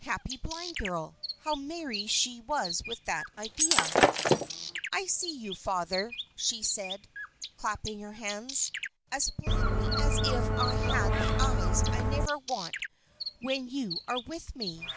Happy blind girl! How merry she was with the idea! "I see you, Father," she said, clasping her hands, "as plainly as if I had the eyes I never want when you are with me.